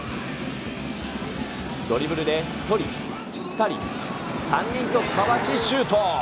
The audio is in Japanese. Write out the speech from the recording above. ドリブルで１人、２人、３人とかわしシュート。